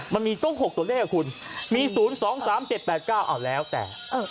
มันมีต้อง๖ตัวเลขคุณมี๐๒๓๗๘๙เอาแล้วแต่